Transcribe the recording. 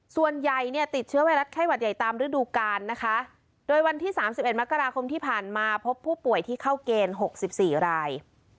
ส่วนใหญ่เนี่ยติดเชื้อไวรัสไข้หวัดใหญ่ตามฤดูกาลนะคะโดยวันที่๓๑มกราคมที่ผ่านมาพบผู้ป่วยที่เข้าเกณฑ์๖๔ราย